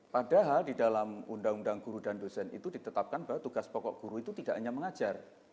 padahal di dalam undang undang guru dan dosen itu ditetapkan bahwa tugas pokok guru itu tidak hanya mengajar